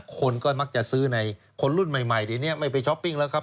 คนก็มักจะซื้อในคนรุ่นใหม่เดี๋ยวนี้ไม่ไปช้อปปิ้งแล้วครับ